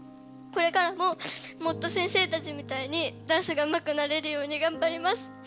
これからももっと先生たちみたいにダンスがうまくなれるようにがんばります。